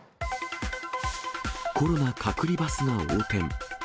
コロナ隔離バスが横転。